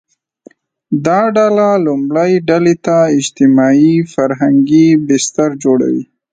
دا ډله لومړۍ ډلې ته اجتماعي – فرهنګي بستر جوړوي